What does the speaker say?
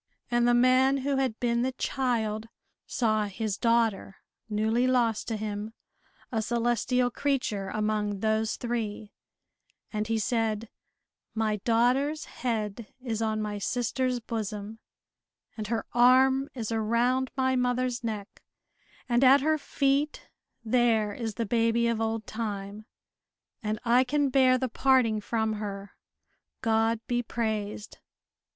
And the man who had been the child saw his daughter, newly lost to him, a celestial creature among those three, and he said, "My daughter's head is on my sister's bosom, and her arm is around my mother's neck, and at her feet there is the baby of old time, and I can bear the parting from her, God be praised!"